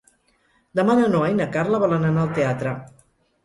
Demà na Noa i na Carla volen anar al teatre.